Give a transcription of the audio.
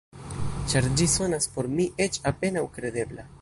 Ĉar ĝi sonas por mi eĉ apenaŭ kredebla.